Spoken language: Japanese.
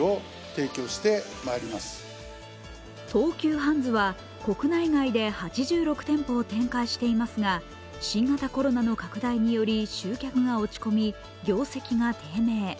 東急ハンズは国内外で８６店舗を展開していますが新型コロナの拡大により集客が落ち込み業績が低迷。